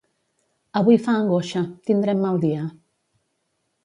Avui fa angoixa: tindrem mal dia.